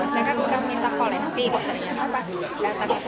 saya kan minta kolektif ternyata